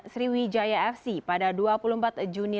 sriwijaya fc pada dua puluh empat juni